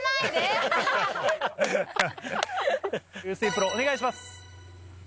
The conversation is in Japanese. プロお願いします。